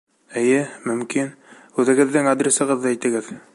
Эйе, мөмкин. Үҙегеҙҙең адресығыҙҙы әйтегеҙ.